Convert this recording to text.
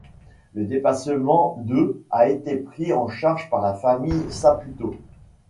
Le dépassement de a été pris en charge par la famille Saputo.